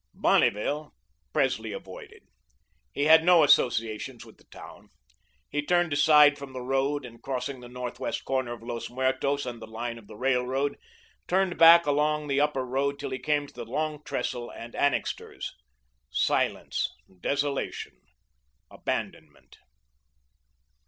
Bonneville Presley avoided. He had no associations with the town. He turned aside from the road, and crossing the northwest corner of Los Muertos and the line of the railroad, turned back along the Upper Road till he came to the Long Trestle and Annixter's, Silence, desolation, abandonment.